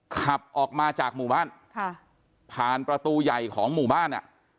ขับออกมาจากหมู่บ้านค่ะผ่านประตูใหญ่ของหมู่บ้านอ่ะ